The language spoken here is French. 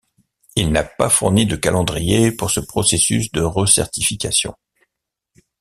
Il n'a pas fourni de calendrier pour ce processus de recertification.